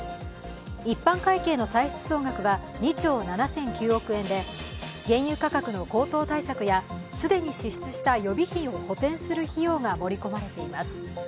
一般会計の歳出総額は２兆７００９億円で原油価格の高騰対策や既に支出した予備費を補填する費用が盛り込まれています。